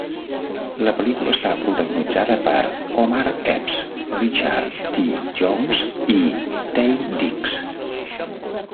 La pel·lícula està protagonitzada per Omar Epps, Richard T. Jones i Taye Diggs.